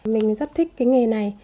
mình rất thích cái nghề này